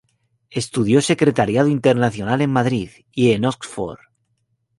Estudió Secretariado Internacional en Madrid, y en Oxford.